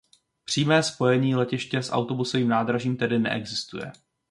Přímé spojení letiště s autobusovým nádražím tedy neexistuje.